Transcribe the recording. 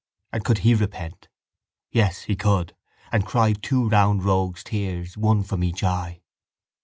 And could he repent? Yes, he could: and cry two round rogue's tears, one from each eye.